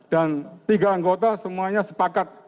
dan tiga anggota semuanya sepakat